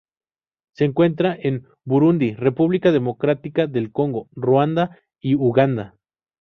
Se encuentra en Burundi, República Democrática del Congo, Ruanda, y Uganda.